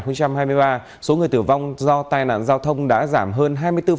năm hai nghìn hai mươi ba số người tử vong do tai nạn giao thông đã giảm hơn hai mươi bốn